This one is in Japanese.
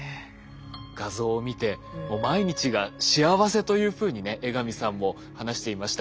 画像を見て毎日が幸せというふうにね江上さんも話していました。